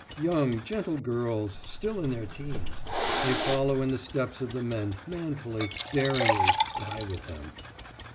« »Young, gentle girls, still in their teens. They follow in the steps of the men, manfully, daringly, die with them....